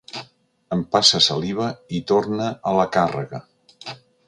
Empassa saliva i torna a la càrrega.